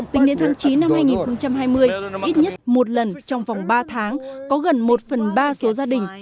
tính đến tháng chín năm hai nghìn hai mươi ít nhất một lần trong vòng ba tháng có gần một phần ba số gia đình